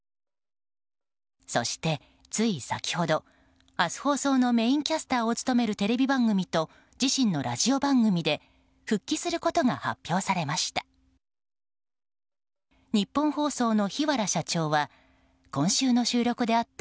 そして、つい先ほど明日放送のメインキャスターを務めるテレビ番組と自身のラジオ番組で復帰することが発表されました。